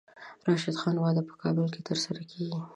د راشد خان واده په کابل کې ترسره کیږي.